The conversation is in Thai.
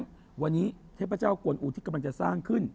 เช็ทประเจ้าควรอูที่กำลังจะสร้างขึ้น